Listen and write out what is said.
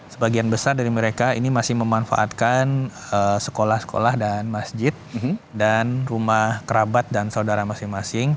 sebagian besar dari mereka ini masih memanfaatkan sekolah sekolah dan masjid dan rumah kerabat dan saudara masing masing